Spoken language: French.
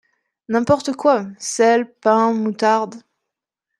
n’importe quoi : sel, pain, moutarde